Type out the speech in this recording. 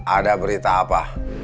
ada berita apa